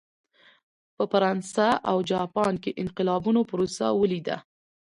په فرانسه او جاپان کې د انقلابونو پروسه ولیده.